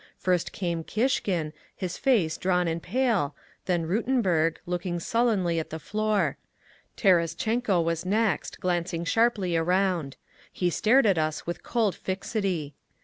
First came Kishkin, his face drawn and pale, then Rutenberg, looking sullenly at the floor; Terestchenko was next, glancing sharply around; he stared at us with cold fixity….